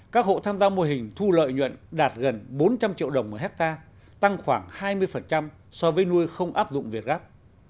các hộ tham gia mô hình thu lợi nhuận đạt gần bốn trăm linh triệu đồng một hectare tăng khoảng hai mươi so với nuôi không áp dụng việt gáp